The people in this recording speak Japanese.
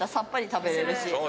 食べれるし。